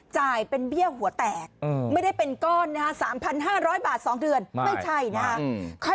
จ่ายเป็นเบี้ยหัวแตกไม่ได้เป็นก้อนนะฮะ๓๕๐๐บาท๒เดือนไม่ใช่นะฮะ